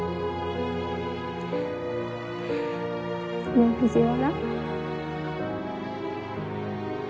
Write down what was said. ねぇ藤原。